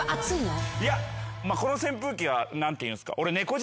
いやこの扇風機は何ていうんすか俺。